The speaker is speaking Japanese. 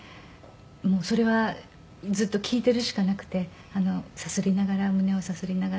もうそれはずっと聞いているしかなくてさすりながら胸をさすりながら。